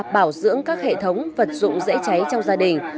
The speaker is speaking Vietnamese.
bảo dưỡng các hệ thống vật dụng dễ cháy trong gia đình